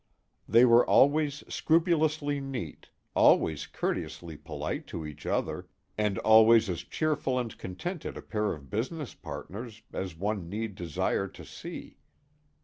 They were always scrupulously neat, always courteously polite to each other, and always as cheerful and contented a pair of business partners as one need desire to see.